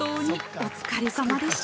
お疲れさまでした。